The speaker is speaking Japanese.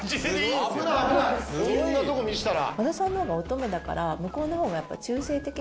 こんなとこ見したら。